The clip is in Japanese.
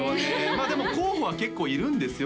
まあでも候補は結構いるんですよ